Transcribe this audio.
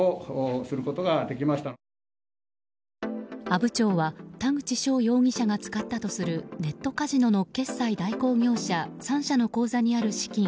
阿武町は田口翔容疑者が使ったとするネットカジノの決済代行業者３社の口座にある資金